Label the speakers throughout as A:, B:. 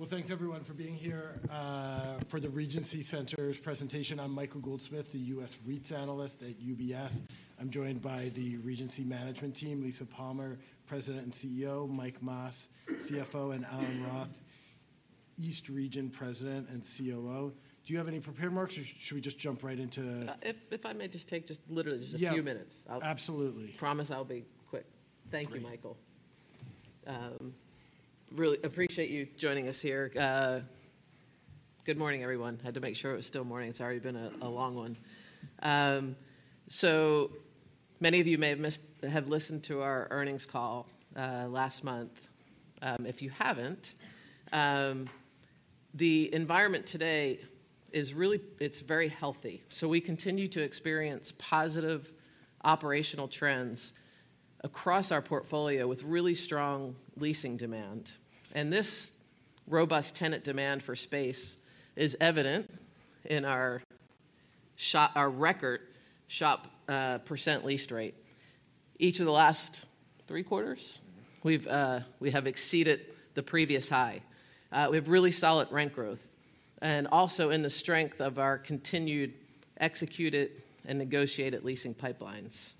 A: Well, thanks everyone for being here for the Regency Centers presentation. I'm Michael Goldsmith, the US REITs analyst at UBS. I'm joined by the Regency management team, Lisa Palmer, President and CEO, Mike Mas, CFO, and Alan Roth, East Region President and COO. Do you have any prepared remarks, or should we just jump right into-
B: If I may just take literally a few minutes.
A: Yeah, absolutely.
B: I promise I'll be quick. Thank you, Michael. Really appreciate you joining us here. Good morning, everyone. Had to make sure it was still morning. It's already been a long one. So many of you may have missed or have listened to our earnings call last month. If you haven't, the environment today is really... It's very healthy. So we continue to experience positive operational trends across our portfolio, with really strong leasing demand. And this robust tenant demand for space is evident in our record shop percent lease rate. Each of the last three quarters-
A: Mm-hmm.
B: We've, we have exceeded the previous high. We have really solid rent growth, and also in the strength of our continued executed and negotiated leasing pipelines.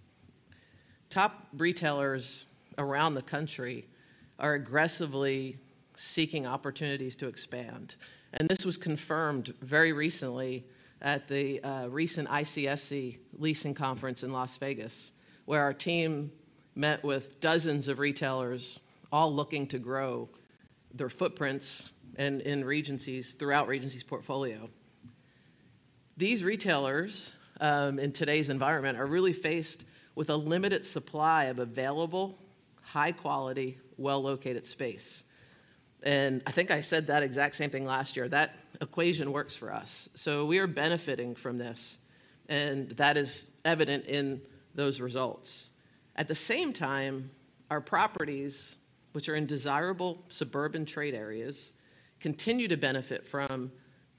B: Top retailers around the country are aggressively seeking opportunities to expand, and this was confirmed very recently at the recent ICSC Leasing Conference in Las Vegas, where our team met with dozens of retailers all looking to grow their footprints in, in Regency's, throughout Regency's portfolio. These retailers, in today's environment, are really faced with a limited supply of available, high-quality, well-located space, and I think I said that exact same thing last year. That equation works for us, so we are benefiting from this, and that is evident in those results. At the same time, our properties, which are in desirable suburban trade areas, continue to benefit from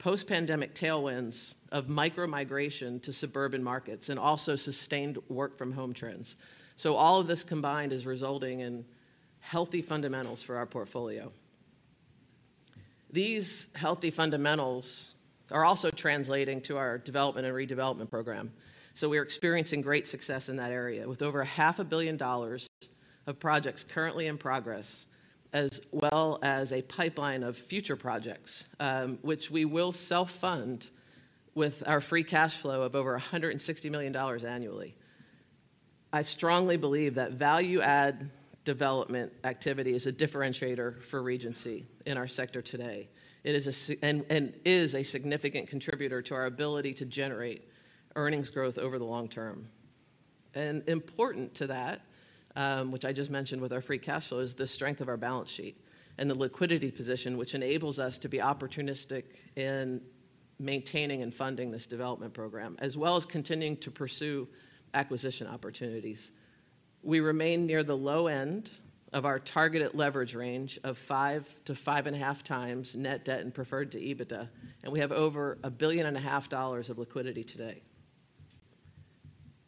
B: post-pandemic tailwinds of micro-migration to suburban markets and also sustained work-from-home trends. So all of this combined is resulting in healthy fundamentals for our portfolio. These healthy fundamentals are also translating to our development and redevelopment program, so we are experiencing great success in that area, with over $500 million of projects currently in progress, as well as a pipeline of future projects, which we will self-fund with our free cash flow of over $160 million annually. I strongly believe that value-add development activity is a differentiator for Regency in our sector today. It is a significant contributor to our ability to generate earnings growth over the long term. Important to that, which I just mentioned with our free cash flow, is the strength of our balance sheet and the liquidity position, which enables us to be opportunistic in maintaining and funding this development program, as well as continuing to pursue acquisition opportunities. We remain near the low end of our targeted leverage range of 5-5.5x net debt and preferred to EBITDA, and we have over $1.5 billion of liquidity today.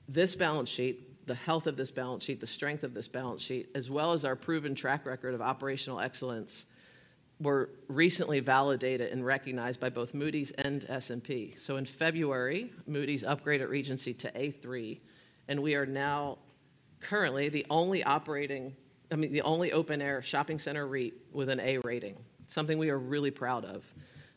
B: This balance sheet, the health of this balance sheet, the strength of this balance sheet, as well as our proven track record of operational excellence, were recently validated and recognized by both Moody's and S&P. So in February, Moody's upgraded Regency to A3, and we are now currently the only—I mean, the only open-air shopping center REIT with an A rating, something we are really proud of.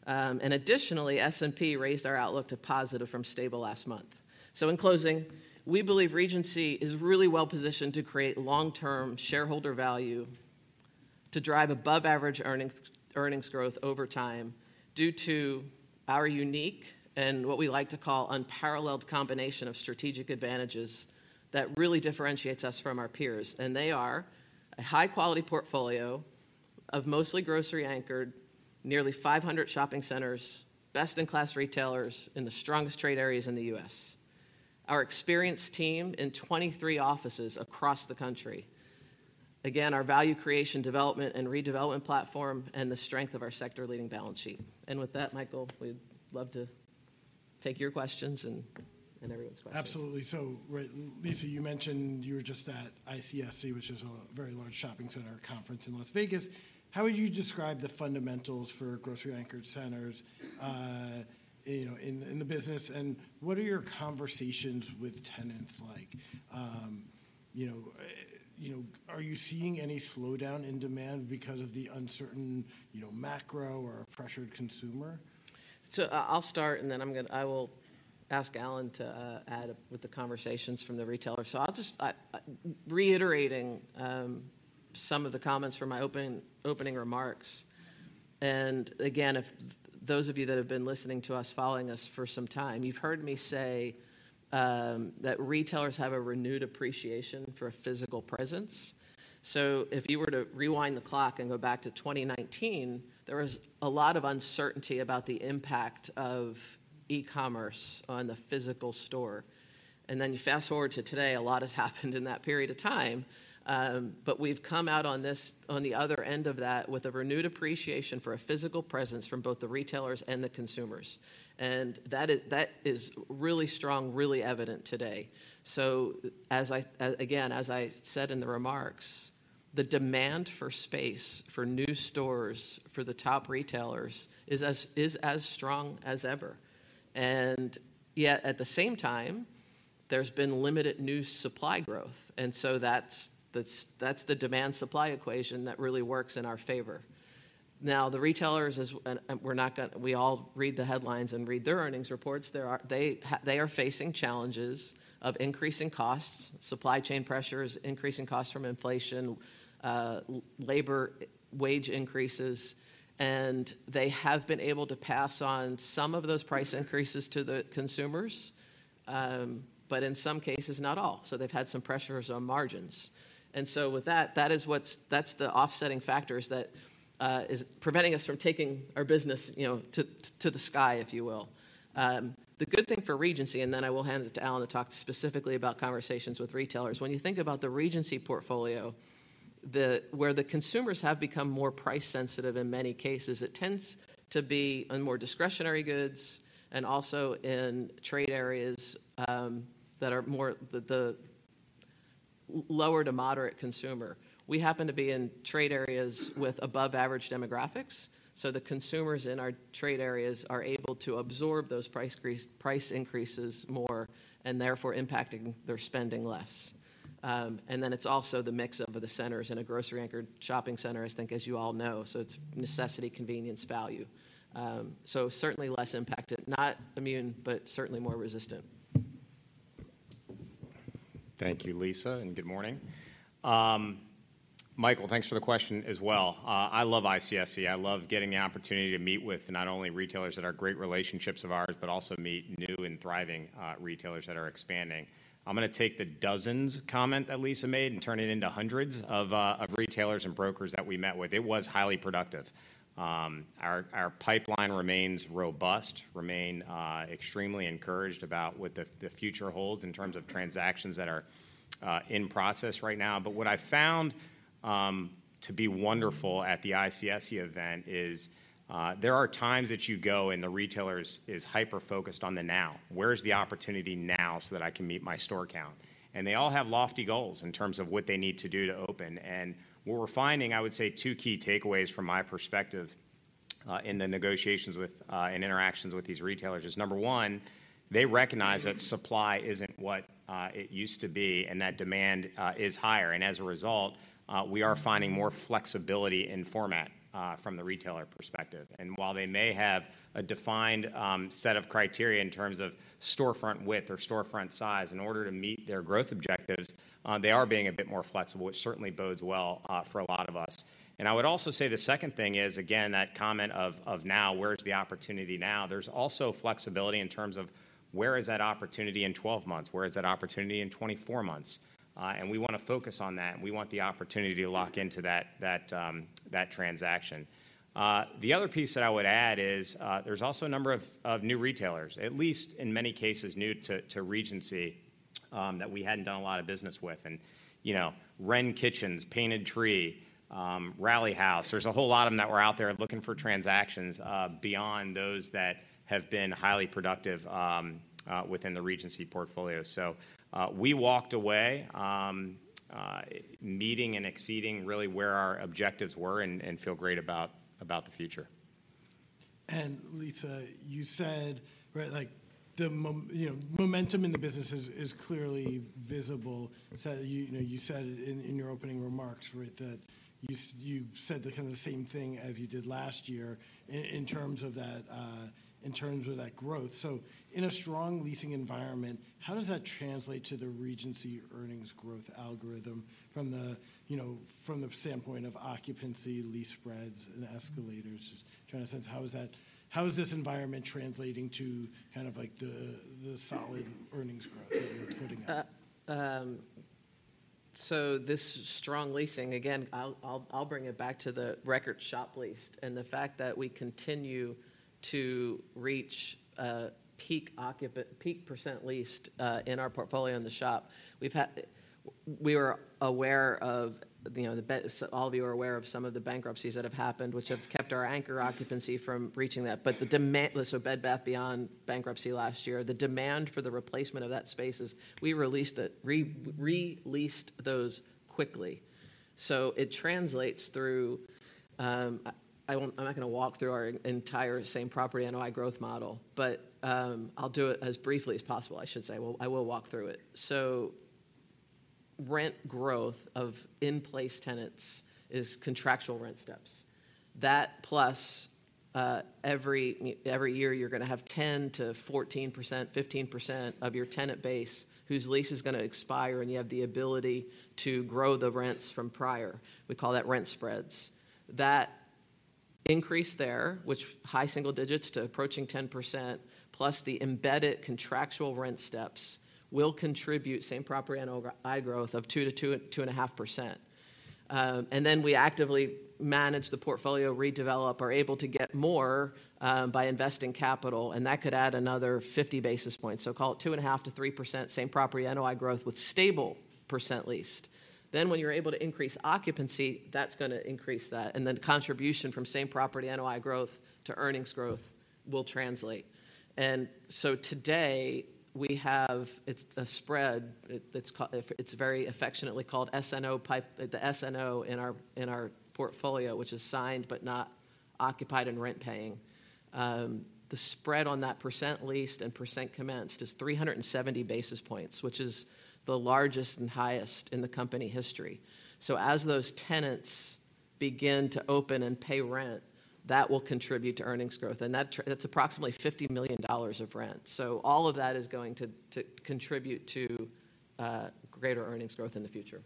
B: And additionally, S&P raised our outlook to positive from stable last month. So in closing, we believe Regency is really well-positioned to create long-term shareholder value, to drive above-average earnings, earnings growth over time due to our unique and what we like to call unparalleled combination of strategic advantages that really differentiates us from our peers. And they are: a high-quality portfolio of mostly grocery-anchored, nearly 500 shopping centers, best-in-class retailers in the strongest trade areas in the U.S., our experienced team in 23 offices across the country, again, our value creation development and redevelopment platform, and the strength of our sector-leading balance sheet. With that, Michael, we'd love to take your questions and everyone's questions.
A: Absolutely. So, right, Lisa, you mentioned you were just at ICSC, which is a very large shopping center conference in Las Vegas. How would you describe the fundamentals for grocery-anchored centers, you know, in the business, and what are your conversations with tenants like? You know, you know, are you seeing any slowdown in demand because of the uncertain, you know, macro or pressured consumer?
B: So I'll start, and then I'm gonna—I will ask Alan to add with the conversations from the retailers. So I'll just reiterating some of the comments from my opening remarks, and again, if those of you that have been listening to us, following us for some time, you've heard me say that retailers have a renewed appreciation for physical presence. So if you were to rewind the clock and go back to 2019, there was a lot of uncertainty about the impact of e-commerce on the physical store. And then you fast-forward to today, a lot has happened in that period of time, but we've come out on this, on the other end of that, with a renewed appreciation for a physical presence from both the retailers and the consumers, and that is, that is really strong, really evident today. So as I, again, as I said in the remarks, the demand for space, for new stores, for the top retailers, is as strong as ever. And yet, at the same time, there's been limited new supply growth, and so that's the demand-supply equation that really works in our favor. Now, the retailers, we're not gonna—we all read the headlines and read their earnings reports. They are facing challenges of increasing costs, supply chain pressures, increasing costs from inflation, labor wage increases, and they have been able to pass on some of those price increases to the consumers, but in some cases, not all. So they've had some pressures on margins. With that, that's the offsetting factors that is preventing us from taking our business, you know, to the sky, if you will. The good thing for Regency, and then I will hand it to Alan to talk specifically about conversations with retailers. When you think about the Regency portfolio, where the consumers have become more price-sensitive in many cases, it tends to be on more discretionary goods and also in trade areas that are more the lower to moderate consumer. We happen to be in trade areas with above-average demographics, so the consumers in our trade areas are able to absorb those price increases more, and therefore impacting their spending less. And then it's also the mix of the centers in a grocery-anchored shopping center, I think, as you all know, so it's necessity, convenience, value. So certainly less impacted. Not immune, but certainly more resistant.
C: Thank you, Lisa, and good morning. Michael, thanks for the question as well. I love ICSC. I love getting the opportunity to meet with not only retailers that are great relationships of ours, but also meet new and thriving retailers that are expanding. I'm gonna take the dozens comment that Lisa made and turn it into hundreds of retailers and brokers that we met with. It was highly productive. Our pipeline remains robust. I remain extremely encouraged about what the future holds in terms of transactions that are in process right now. But what I found to be wonderful at the ICSC event is there are times that you go and the retailer is hyper-focused on the now: where is the opportunity now so that I can meet my store count? They all have lofty goals in terms of what they need to do to open. What we're finding, I would say, two key takeaways from my perspective in the negotiations with and interactions with these retailers is, number one, they recognize that supply isn't what it used to be, and that demand is higher. As a result, we are finding more flexibility in format from the retailer perspective. While they may have a defined set of criteria in terms of storefront width or storefront size, in order to meet their growth objectives, they are being a bit more flexible, which certainly bodes well for a lot of us. I would also say the second thing is, again, that comment of now, where is the opportunity now? There's also flexibility in terms of where is that opportunity in 12 months? Where is that opportunity in 24 months? And we wanna focus on that, and we want the opportunity to lock into that transaction. The other piece that I would add is, there's also a number of new retailers, at least in many cases, new to Regency, that we hadn't done a lot of business with. And, you know, Wren Kitchens, Painted Tree, Rally House, there's a whole lot of them that were out there looking for transactions, beyond those that have been highly productive, within the Regency portfolio. So, we walked away, meeting and exceeding really where our objectives were and feel great about the future.
A: And Lisa, you said, right, like, the momentum, you know, in the business is clearly visible. So you, you know, you said in, in your opening remarks, right, that you said the kind of the same thing as you did last year in, in terms of that, in terms of that growth. So in a strong leasing environment, how does that translate to the Regency earnings growth algorithm from the, you know, from the standpoint of occupancy, lease spreads, and escalators? Just trying to sense, how is that, how is this environment translating to kind of like the, the solid earnings growth that you're putting out?
B: So this strong leasing, again, I'll bring it back to the regarding the shop leased and the fact that we continue to reach peak occupancy - peak percent leased in our portfolio in the shop. We were aware of, you know, so all of you are aware of some of the bankruptcies that have happened, which have kept our anchor occupancy from reaching that. But the demand, so Bed Bath & Beyond bankruptcy last year, the demand for the replacement of that space is we re-leased those quickly. So it translates through. I'm not gonna walk through our entire Same-Property NOI growth model, but, I'll do it as briefly as possible, I should say. Well, I will walk through it. So, rent growth of in-place tenants is contractual rent steps. That plus, every year, you're gonna have 10%-14%, 15% of your tenant base whose lease is gonna expire, and you have the ability to grow the rents from prior. We call that rent spreads. That increase there, which high single digits to approaching 10%, plus the embedded contractual rent steps, will contribute Same-Property NOI growth of 2%-2.5%. And then we actively manage the portfolio, redevelop, are able to get more, by investing capital, and that could add another 50 basis points. So call it 2.5%-3% Same-Property NOI growth with stable percent leased. Then, when you're able to increase occupancy, that's gonna increase that, and then contribution from Same-Property NOI growth to earnings growth.... will translate. So today, we have, it's a spread, it's very affectionately called SNO pipe, the SNO in our portfolio, which is signed but not occupied and rent-paying. The spread on that percent leased and percent commenced is 370 basis points, which is the largest and highest in the company history. So as those tenants begin to open and pay rent, that will contribute to earnings growth, and that's approximately $50 million of rent. So all of that is going to contribute to greater earnings growth in the future.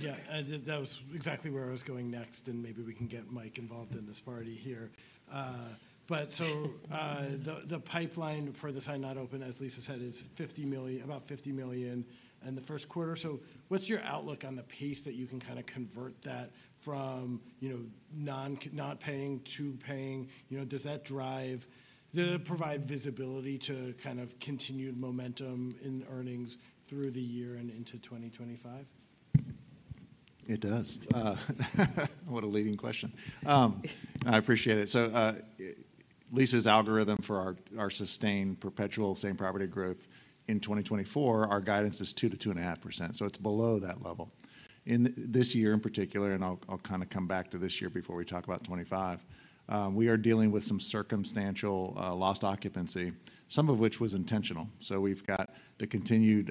A: Yeah, that was exactly where I was going next, and maybe we can get Mike involved in this party here. But the pipeline for the signed not open, as Lisa said, is $50 million—about $50 million in the first quarter. So what's your outlook on the pace that you can kind of convert that from, you know, not paying to paying? You know, does that drive... Does it provide visibility to kind of continued momentum in earnings through the year and into 2025?
D: It does. What a leading question. I appreciate it. So, Lisa's algorithm for our sustained perpetual same-property growth in 2024, our guidance is 2%-2.5%, so it's below that level. In this year in particular, and I'll kind of come back to this year before we talk about 2025, we are dealing with some circumstantial lost occupancy, some of which was intentional. So we've got the continued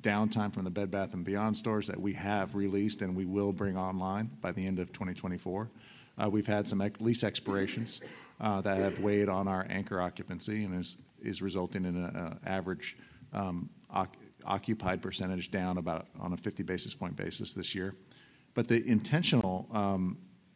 D: downtime from the Bed Bath & Beyond stores that we have re-leased and we will bring online by the end of 2024. We've had some lease expirations that have weighed on our anchor occupancy and is resulting in an average occupied percentage down about 50 basis points this year. But the intentional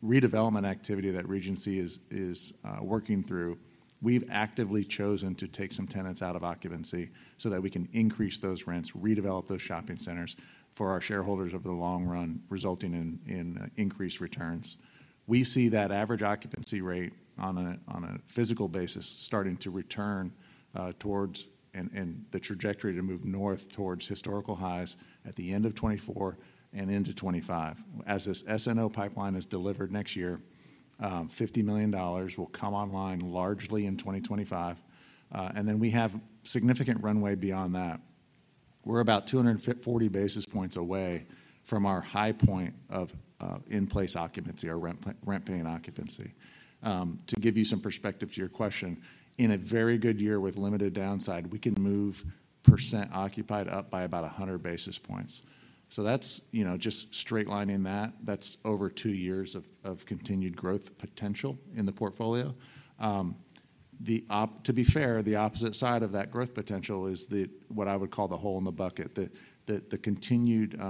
D: redevelopment activity that Regency is working through, we've actively chosen to take some tenants out of occupancy so that we can increase those rents, redevelop those shopping centers for our shareholders over the long run, resulting in increased returns. We see that average occupancy rate on a physical basis starting to return towards, and the trajectory to move north towards historical highs at the end of 2024 and into 2025. As this SNO pipeline is delivered next year, $50 million will come online largely in 2025, and then we have significant runway beyond that. We're about 240 basis points away from our high point of in-place occupancy, our rent-paying occupancy. To give you some perspective to your question, in a very good year with limited downside, we can move percent occupied up by about 100 basis points. So that's, you know, just straight lining that, that's over two years of continued growth potential in the portfolio. To be fair, the opposite side of that growth potential is the, what I would call the hole in the bucket, the continued.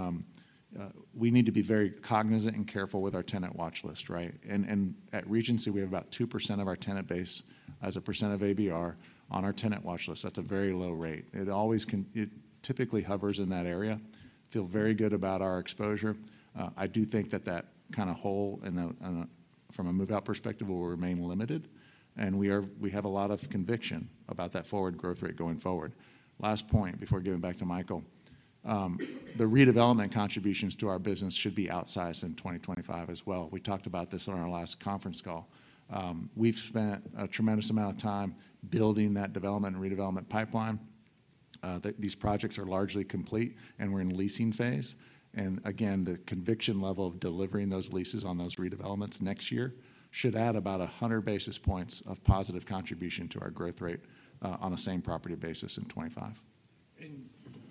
D: We need to be very cognizant and careful with our tenant watch list, right? And at Regency, we have about 2% of our tenant base as a percent of ABR on our tenant watch list. That's a very low rate. It always, it typically hovers in that area. Feel very good about our exposure. I do think that that kind of hole in a, in a, from a move-out perspective will remain limited, and we have a lot of conviction about that forward growth rate going forward. Last point before giving back to Michael: the redevelopment contributions to our business should be outsized in 2025 as well. We talked about this on our last conference call. We've spent a tremendous amount of time building that development and redevelopment pipeline. These projects are largely complete, and we're in leasing phase. Again, the conviction level of delivering those leases on those redevelopments next year should add about 100 basis points of positive contribution to our growth rate, on a same-property basis in 2025.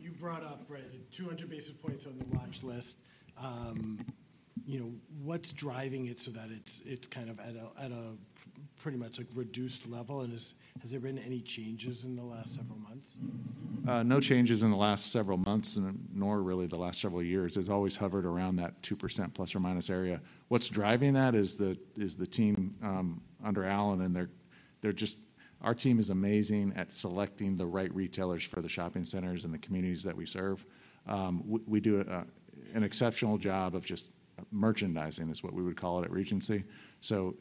A: You brought up, right, the 200 basis points on the Watch List. You know, what's driving it so that it's kind of at a pretty much reduced level, and has there been any changes in the last several months?
D: No changes in the last several months, and nor really the last several years. It's always hovered around that 2% ± area. What's driving that is the team under Alan, and our team is amazing at selecting the right retailers for the shopping centers and the communities that we serve. We do an exceptional job of just merchandising, is what we would call it at Regency. So,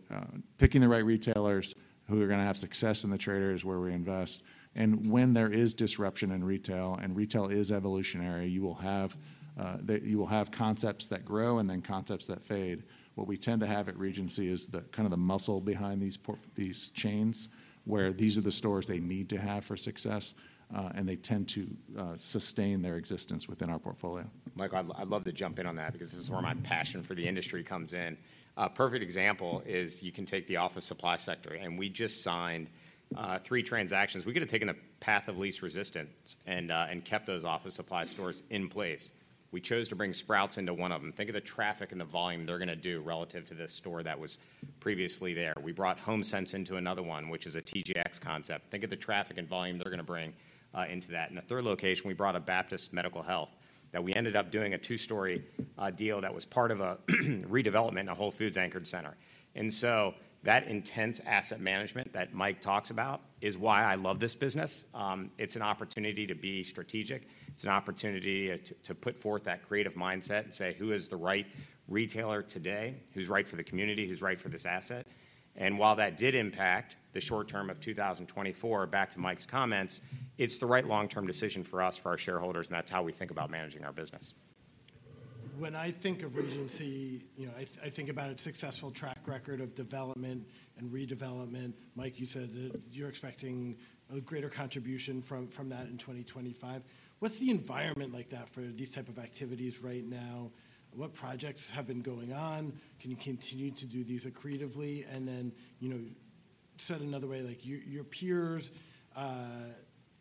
D: picking the right retailers who are going to have success in the trade areas where we invest, and when there is disruption in retail, and retail is evolutionary, you will have concepts that grow and then concepts that fade. What we tend to have at Regency is the, kind of the muscle behind these chains, where these are the stores they need to have for success, and they tend to sustain their existence within our portfolio.
C: Mike, I'd love to jump in on that because this is where my passion for the industry comes in. A perfect example is you can take the office supply sector, and we just signed three transactions. We could have taken a path of least resistance and kept those office supply stores in place. We chose to bring Sprouts into one of them. Think of the traffic and the volume they're going to do relative to the store that was previously there. We brought HomeSense into another one, which is a TJX concept. Think of the traffic and volume they're going to bring into that. In the third location, we brought a Baptist Health, that we ended up doing a two-story deal that was part of a redevelopment in a Whole Foods-anchored center. And so that intense asset management that Mike talks about is why I love this business. It's an opportunity to be strategic. It's an opportunity to put forth that creative mindset and say: Who is the right retailer today? Who's right for the community? Who's right for this asset? And while that did impact the short term of 2024, back to Mike's comments, it's the right long-term decision for us, for our shareholders, and that's how we think about managing our business....
A: when I think of Regency, you know, I, I think about its successful track record of development and redevelopment. Mike, you said that you're expecting a greater contribution from, from that in 2025. What's the environment like that for these type of activities right now? What projects have been going on? Can you continue to do these accretively? And then, you know, said another way, like, your, your peers,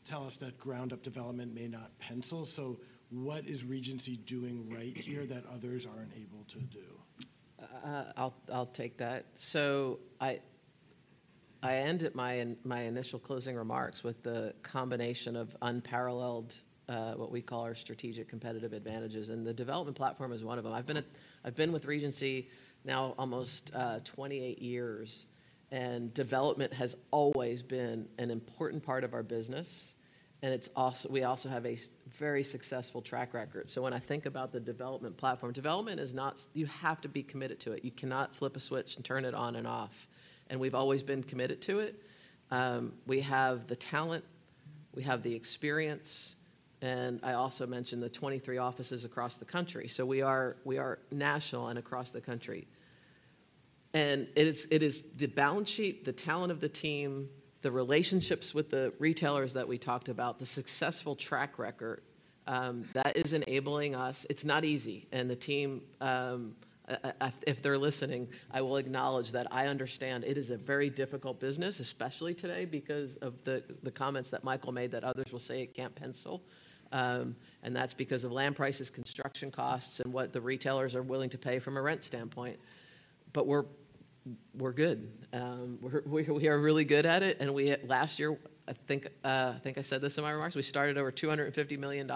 A: tell us that ground-up development may not pencil, so what is Regency doing right here that others aren't able to do?
B: I'll take that. So I ended my initial closing remarks with the combination of unparalleled, what we call our strategic competitive advantages, and the development platform is one of them. I've been with Regency now almost 28 years, and development has always been an important part of our business, and it's also... We also have a very successful track record. So when I think about the development platform, development is not. You have to be committed to it. You cannot flip a switch and turn it on and off, and we've always been committed to it. We have the talent, we have the experience, and I also mentioned the 23 offices across the country, so we are national and across the country. And it is, it is the balance sheet, the talent of the team, the relationships with the retailers that we talked about, the successful track record, that is enabling us. It's not easy, and the team, if they're listening, I will acknowledge that I understand it is a very difficult business, especially today, because of the comments that Michael made, that others will say it can't pencil. And that's because of land prices, construction costs, and what the retailers are willing to pay from a rent standpoint. But we're good. We're really good at it, and last year, I think, I think I said this in my remarks, we started over $250 million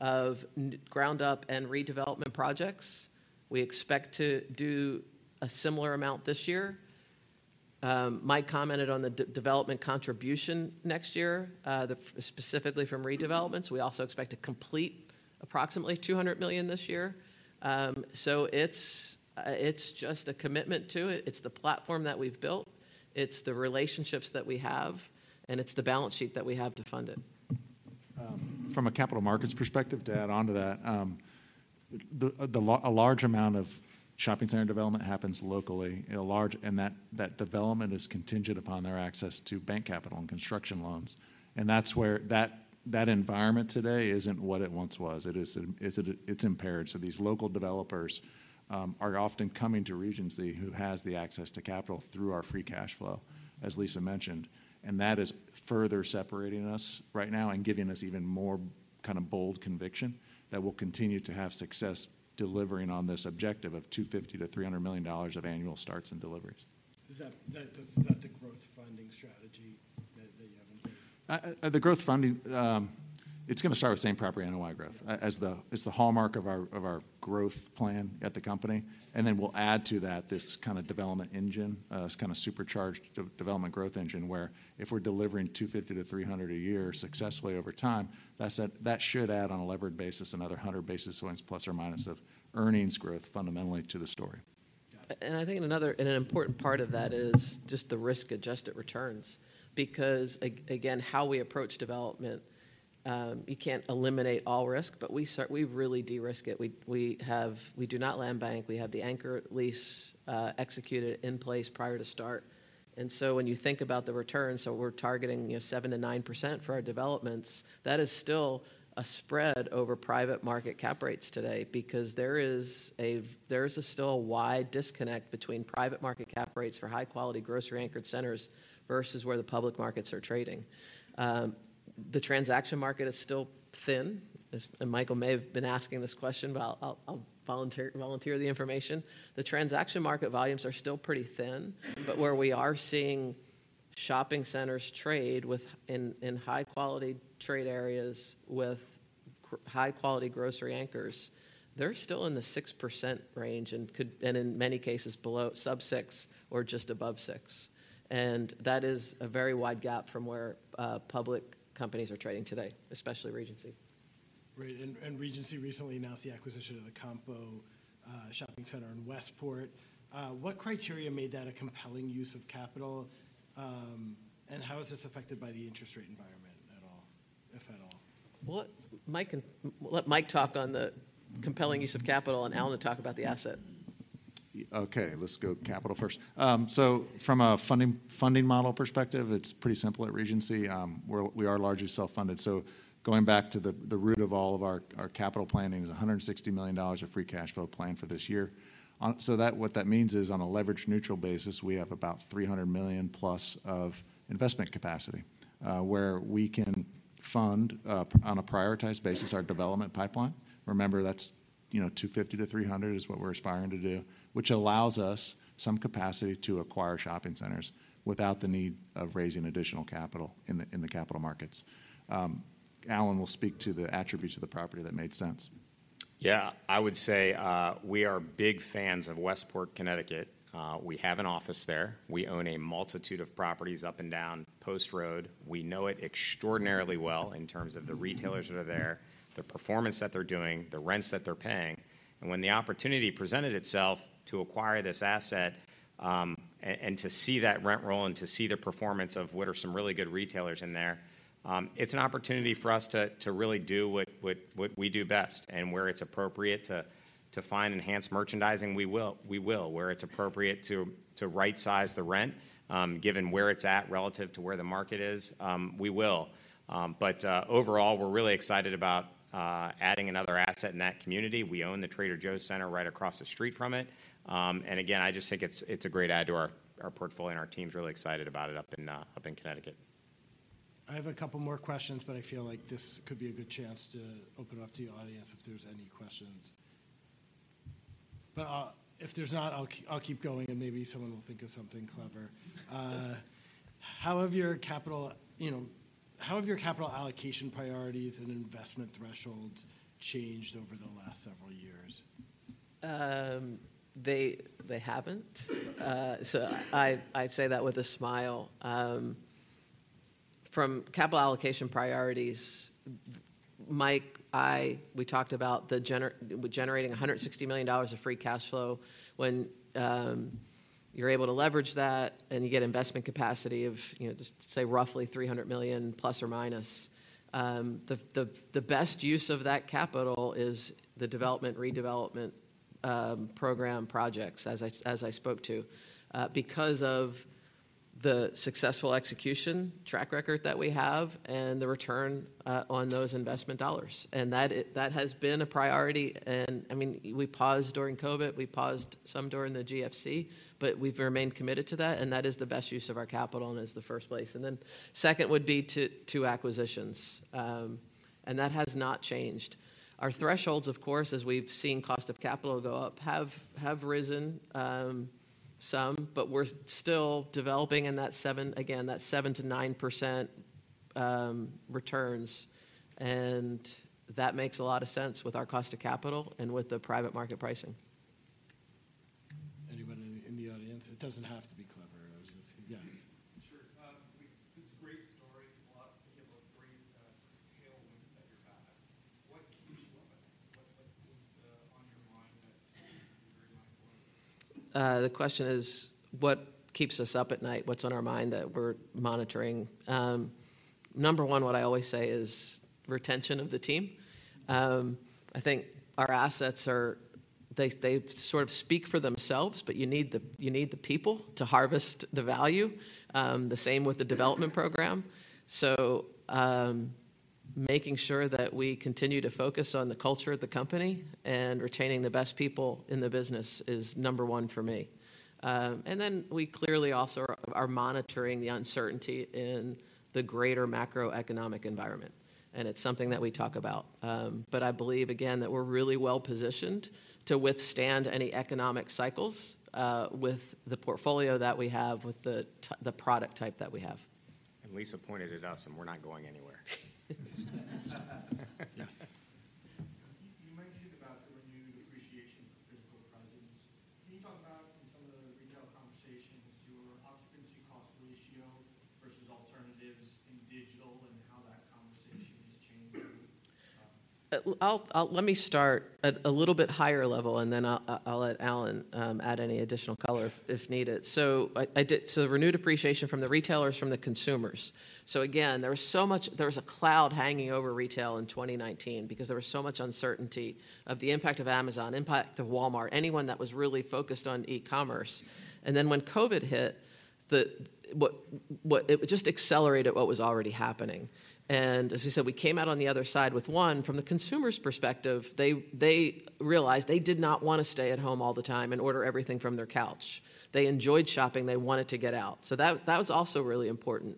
B: of ground-up and redevelopment projects. We expect to do a similar amount this year. Mike commented on the development contribution next year, specifically from redevelopments. We also expect to complete approximately $200 million this year. So it's just a commitment to it. It's the platform that we've built, it's the relationships that we have, and it's the balance sheet that we have to fund it.
D: From a capital markets perspective, to add on to that, a large amount of shopping center development happens locally. And that development is contingent upon their access to bank capital and construction loans, and that's where that environment today isn't what it once was. It's impaired. So these local developers are often coming to Regency, who has the access to capital through our free cash flow, as Lisa mentioned, and that is further separating us right now and giving us even more kind of bold conviction that we'll continue to have success delivering on this objective of $250 million-$300 million of annual starts and deliveries.
A: Is that the growth funding strategy that you have in place?
D: The growth funding, it's gonna start with Same-Property NOI growth as the... It's the hallmark of our growth plan at the company, and then we'll add to that this kind of development engine, this kind of supercharged development growth engine, where if we're delivering $250-$300 a year successfully over time, that should add, on a levered basis, another 100 basis points, ±, of earnings growth fundamentally to the story.
A: Got it.
B: and I think another, and an important part of that is just the risk-adjusted returns, because again, how we approach development, you can't eliminate all risk, but we really de-risk it. We have. We do not land bank. We have the anchor lease executed in place prior to start. And so, when you think about the returns, we're targeting, you know, 7%-9% for our developments, that is still a spread over private market cap rates today, because there's still a wide disconnect between private market cap rates for high-quality, grocery-anchored centers versus where the public markets are trading. The transaction market is still thin. And Michael may have been asking this question, but I'll volunteer the information. The transaction market volumes are still pretty thin, but where we are seeing shopping centers trade with high-quality trade areas with high-quality grocery anchors, they're still in the 6% range and in many cases below, sub-6% or just above 6%. And that is a very wide gap from where public companies are trading today, especially Regency.
A: Right. And, and Regency recently announced the acquisition of the Compo Shopping Center in Westport. What criteria made that a compelling use of capital, and how is this affected by the interest rate environment at all, if at all?
B: Well, we'll let Mike talk on the compelling use of capital and Alan talk about the asset.
D: Okay, let's go capital first. So from a funding, funding model perspective, it's pretty simple at Regency. We're, we are largely self-funded, so going back to the, the root of all of our, our capital planning is $160 million of free cash flow planned for this year. So that, what that means is, on a leveraged neutral basis, we have about $300 million+ of investment capacity, where we can fund, on a prioritized basis, our development pipeline. Remember, that's, you know, $250 million-$300 million is what we're aspiring to do, which allows us some capacity to acquire shopping centers without the need of raising additional capital in the, in the capital markets. Alan will speak to the attributes of the property that made sense....
C: Yeah, I would say, we are big fans of Westport, Connecticut. We have an office there. We own a multitude of properties up and down Post Road. We know it extraordinarily well in terms of the retailers that are there, the performance that they're doing, the rents that they're paying. And when the opportunity presented itself to acquire this asset, and to see that rent roll and to see the performance of what are some really good retailers in there, it's an opportunity for us to really do what we do best. And where it's appropriate to find enhanced merchandising, we will. Where it's appropriate to right-size the rent, given where it's at relative to where the market is, we will. Overall, we're really excited about adding another asset in that community. We own the Trader Joe's center right across the street from it. Again, I just think it's a great add to our portfolio, and our team's really excited about it up in Connecticut.
A: I have a couple more questions, but I feel like this could be a good chance to open it up to the audience if there's any questions. But I'll... If there's not, I'll keep going, and maybe someone will think of something clever. How have your capital, you know, how have your capital allocation priorities and investment thresholds changed over the last several years?
B: They haven't. So I say that with a smile. From capital allocation priorities, Mike, I... We talked about generating $160 million of free cash flow. When you're able to leverage that, and you get investment capacity of, you know, just say roughly $300 million ±, the best use of that capital is the development, redevelopment, program projects, as I spoke to, because of the successful execution track record that we have and the return on those investment dollars, and that has been a priority. And, I mean, we paused during COVID, we paused some during the GFC, but we've remained committed to that, and that is the best use of our capital and is the first place. And then, second would be to acquisitions, and that has not changed. Our thresholds, of course, as we've seen cost of capital go up, have risen some, but we're still developing in that 7... again, that 7%-9% returns, and that makes a lot of sense with our cost of capital and with the private market pricing.
A: Anyone in the audience? It doesn't have to be clever. I was just... Yeah.
E: Sure. This is a great story. You have a great tailwind at your back. What keeps you up at night? What is on your mind that you worry about the most?
B: The question is, what keeps us up at night? What's on our mind that we're monitoring? Number one, what I always say is retention of the team. I think our assets are. They sort of speak for themselves, but you need the people to harvest the value. The same with the development program. So, making sure that we continue to focus on the culture of the company and retaining the best people in the business is number one for me. And then we clearly also are monitoring the uncertainty in the greater macroeconomic environment, and it's something that we talk about. But I believe, again, that we're really well-positioned to withstand any economic cycles, with the portfolio that we have, with the product type that we have.
C: Lisa pointed at us, and we're not going anywhere.
A: Yes.
F: You, you mentioned about the renewed appreciation for physical presence. Can you talk about, in some of the retail conversations, your occupancy cost ratio versus alternatives in digital and how that conversation has changed?
B: Let me start at a little bit higher level, and then I'll let Alan add any additional color if needed. So the renewed appreciation from the retailers, from the consumers. So again, there was so much—there was a cloud hanging over retail in 2019 because there was so much uncertainty of the impact of Amazon, impact of Walmart, anyone that was really focused on e-commerce. And then, when COVID hit, it just accelerated what was already happening. And as you said, we came out on the other side with, one, from the consumer's perspective, they realized they did not want to stay at home all the time and order everything from their couch. They enjoyed shopping; they wanted to get out. So that was also really important.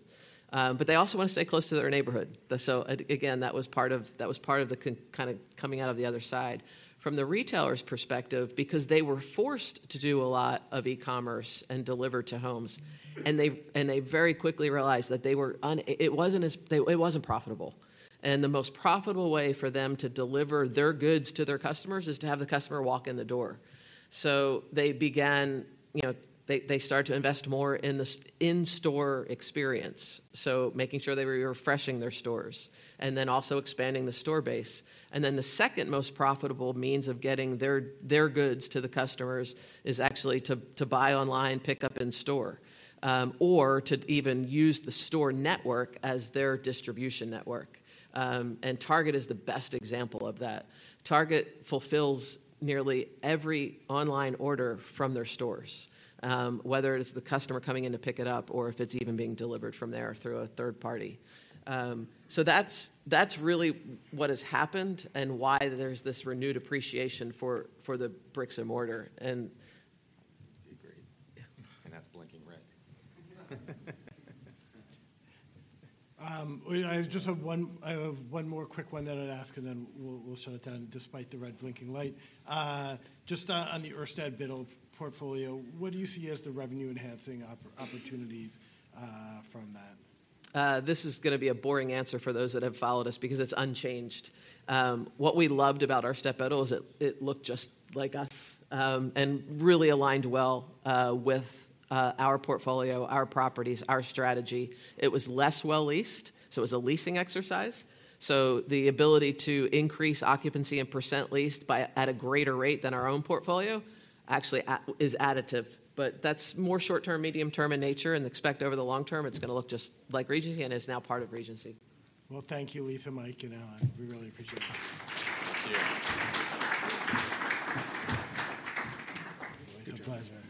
B: But they also want to stay close to their neighborhood. So again, that was part of, that was part of the kind of coming out of the other side. From the retailer's perspective, because they were forced to do a lot of e-commerce and deliver to homes, and they, and they very quickly realized that it wasn't profitable, and the most profitable way for them to deliver their goods to their customers is to have the customer walk in the door. So they began... You know, they, they started to invest more in the in-store experience, so making sure they were refreshing their stores and then also expanding the store base. And then the second most profitable means of getting their goods to the customers is actually to buy online, pick up in store, or to even use the store network as their distribution network. And Target is the best example of that. Target fulfills nearly every online order from their stores, whether it's the customer coming in to pick it up, or if it's even being delivered from there through a third party. So that's really what has happened and why there's this renewed appreciation for the bricks and mortar, and-
C: Agree.
B: Yeah.
C: That's blinking red.
A: Well, I just have one, I have one more quick one that I'd ask, and then we'll, we'll shut it down, despite the red blinking light. Just, on the Urstadt Biddle portfolio, what do you see as the revenue-enhancing opportunities from that?
B: This is gonna be a boring answer for those that have followed us because it's unchanged. What we loved about Urstadt Biddle is it, it looked just like us, and really aligned well, with, our portfolio, our properties, our strategy. It was less well-leased, so it was a leasing exercise. So the ability to increase occupancy and percent leased at a greater rate than our own portfolio actually is additive. But that's more short-term, medium-term in nature, and expect over the long term, it's gonna look just like Regency and is now part of Regency.
A: Well, thank you, Lisa, Mike, and Alan. We really appreciate it.
C: Thank you. It's a pleasure.